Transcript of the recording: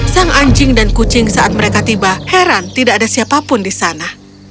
sang anjing dan kucing saat mereka tiba heran tidak ada siapapun di sana